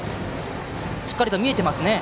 しっかりと見えていますね。